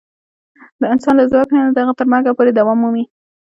د انسان له زوکړې نه د هغه تر مرګه پورې دوام مومي.